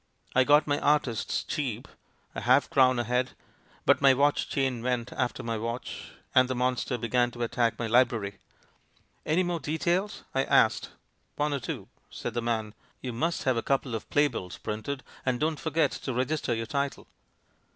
I got my 'artists' cheap — a half crown a head, but my watch chain went after my watch, and the monster began to attack my library. 'Any more "details"?' I asked. 'One or two,' said the man ; 'you must have a couple of playbills print FRANKENSTEIN II 5^ ed, and don't forget to register your title.'